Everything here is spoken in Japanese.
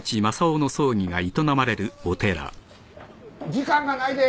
時間がないで。